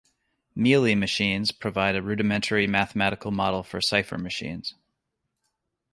Mealy machines provide a rudimentary mathematical model for cipher machines.